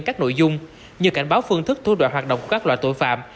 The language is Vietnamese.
các nội dung như cảnh báo phương thức thu đoạn hoạt động của các loại tội phạm